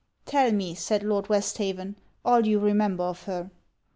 _' 'Tell me,' said Lord Westhaven, 'all you remember of her.'